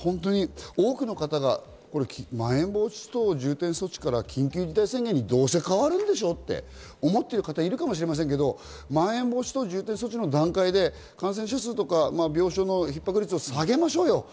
多くの方がまん延防止等重点措置から緊急事態宣言にどうせ変わるんでしょう、と思ってる方いるかもしれませんが、まん延防止等重点措置の段階で感染者数や病床の逼迫率を下げましょうよ。